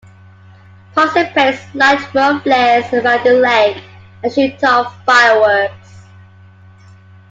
Participants light road flares around the lake and shoot off fireworks.